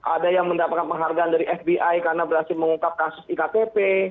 ada yang mendapatkan penghargaan dari fbi karena berhasil mengungkap kasus iktp